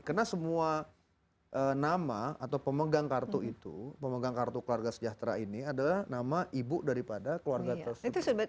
karena semua nama atau pemegang kartu itu pemegang kartu kelarga sejahtera ini adalah nama ibu daripada keluarga tersebut